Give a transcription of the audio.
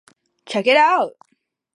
Check it out.